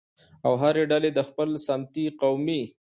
او هرې ډلې د خپل سمتي، قومي